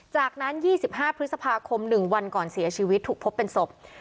จากนั้น๒๕พฤษภาคม๑วันก่อนเสียชีวิตถูกพบเป็นศพ